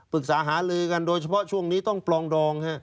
หาลือกันโดยเฉพาะช่วงนี้ต้องปลองดอง